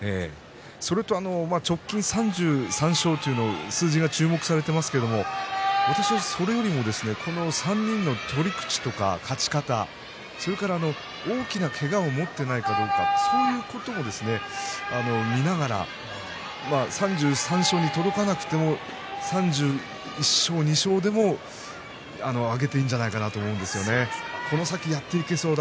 それと直近３３勝という数字が注目されていますが、それよりも３人の取り口とか勝ち方それから大きなけがを持っていないかどうかそういうことも見ながら３３勝に届かなくても３１勝、３２勝でもあげていいのではないかと思うんですよね。